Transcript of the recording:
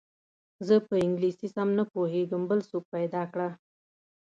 زه په انګلیسي سم نه پوهېږم بل څوک پیدا کړه.